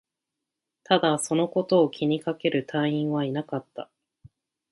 ただ、そのことを気にかける隊員はいなかった